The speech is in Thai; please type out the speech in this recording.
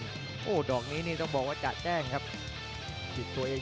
ดูหากันก็บอกว่า๑๐กว่าปีแหละครับ๑๒๑๓ปีครับ